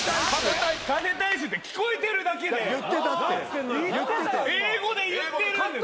加勢大周って聞こえてるだけで英語で言ってるんです。